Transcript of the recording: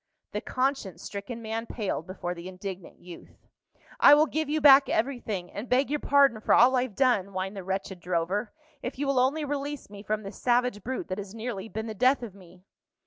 The conscience stricken man paled before the indignant youth. "I will give you back everything, and beg your pardon for all I've done," whined the wretched drover, "if you will only release me from this savage brute that has nearly been the death of me."